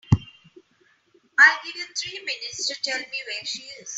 I'll give you three minutes to tell me where she is.